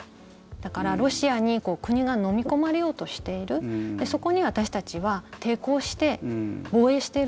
だから、ロシアに国がのみ込まれようとしているそこに、私たちは抵抗して防衛している。